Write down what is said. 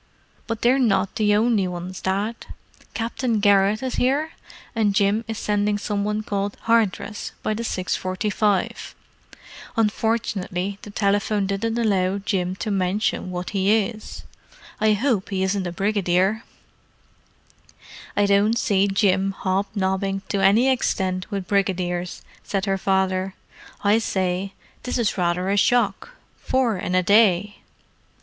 But they're not the only ones, Dad: Captain Garrett is here, and Jim is sending some one called Hardress by the 6.45—unfortunately the telephone didn't allow Jim to mention what he is! I hope he isn't a brigadier." "I don't see Jim hob nobbing to any extent with brigadiers," said her father. "I say, this is rather a shock. Four in a day!"